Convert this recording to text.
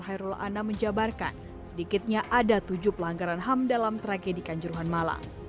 hairul anam menjabarkan sedikitnya ada tujuh pelanggaran ham dalam tragedi kanjuruhan malang